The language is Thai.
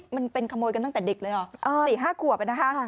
มันเป็นขโมยกันตั้งแต่เด็กเลยเหรอ๔๕ขวบนะคะ